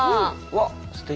うわっ！